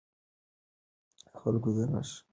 خلک نور شکایت نه غواړي.